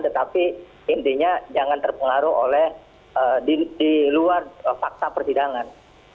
tetapi intinya jangan terpengaruh oleh di luar fakta persidangan